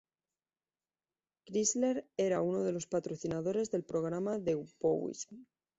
Chrysler era uno de los patrocinadores del programa de Bowes.